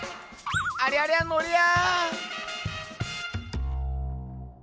ありゃりゃのりゃ。